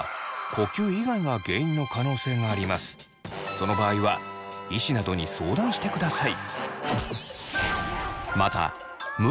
その場合は医師などに相談してください。